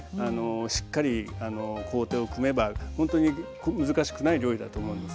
しっかり工程を組めばほんとに難しくない料理だと思うんです。